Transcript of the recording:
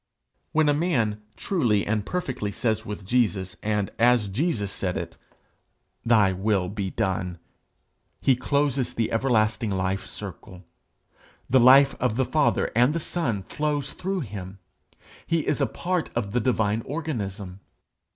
When a man truly and perfectly says with Jesus, and as Jesus said it, 'Thy will be done,' he closes the everlasting life circle; the life of the Father and the Son flows through him; he is a part of the divine organism.